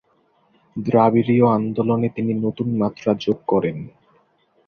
দ্রাবিড়ীয় আন্দোলনে তিনি নতুন মাত্রা যোগ করেন।